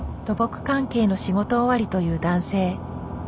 土木関係の仕事終わりという男性。